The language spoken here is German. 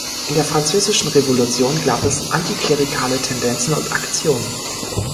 In der französischen Revolution gab es antiklerikale Tendenzen und Aktionen.